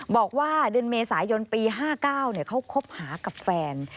บอกว่าเดือนเมษายนปี๕๙เขาคบหากับแฟน